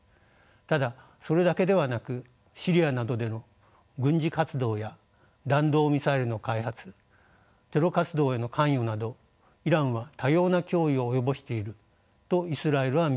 ただそれだけではなくシリアなどでの軍事活動や弾道ミサイルの開発テロ活動への関与などイランは多様な脅威を及ぼしているとイスラエルは見ています。